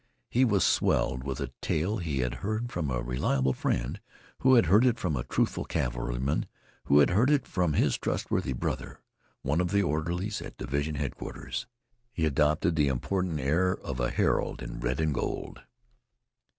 He was swelled with a tale he had heard from a reliable friend, who had heard it from a truthful cavalryman, who had heard it from his trustworthy brother, one of the orderlies at division headquarters. He adopted the important air of a herald in red and gold.